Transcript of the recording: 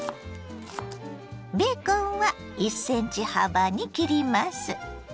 ベーコンは１ｃｍ幅に切ります。